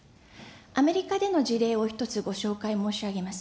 アメリカでの事例を１つご紹介申し上げます。